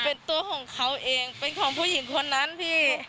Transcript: เป็นตัวของเขาเองเป็นของผู้หญิงคนนั้นพี่